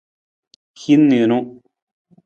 Hin niinu.